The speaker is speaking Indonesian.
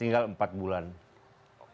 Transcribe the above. semua orang berupaya akan menjadi poros ketiga